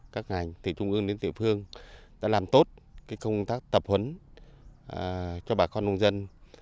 các ngành từ trung ương đến tiểu phương đã làm tốt công tác tập huấn cho bà con nông dân